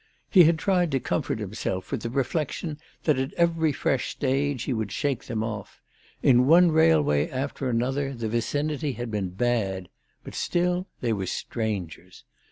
He had tried to comfort himself with the reflection that at every fresh stage he would shake them off. In one railway after another the vicinity had been bad, but still they were strangers.